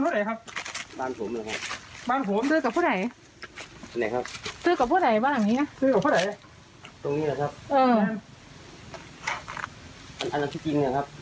ตรงนี้แหละครับเอออันนั้นที่จริงเลยครับ